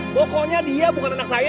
pokoknya dia bukan anak saya